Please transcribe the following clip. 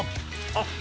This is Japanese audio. あっ。